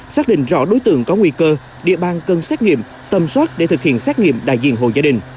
xác định rõ đối tượng có nguy cơ địa bàn cần xét nghiệm tầm soát để thực hiện xét nghiệm đại diện hồ gia đình